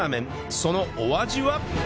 そのお味は？